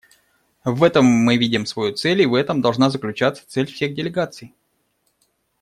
В этом мы видим свою цель и в этом должна заключаться цель всех делегаций.